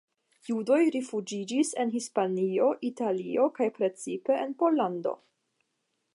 Judoj rifuĝiĝis en Hispanio, Italio kaj precipe en Pollando.